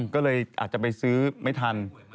ก็เลยอาจจะไปซื้อไม่ทัน